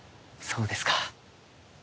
そうですか。